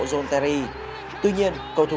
zolteri tuy nhiên cầu thủ